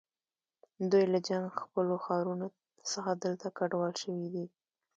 دوی له جنګ ځپلو ښارونو څخه دلته کډوال شوي دي.